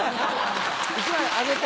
１枚あげて。